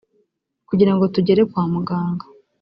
kugirango tugere kwa muganga